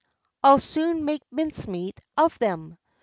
I'll soon make mince meat of them."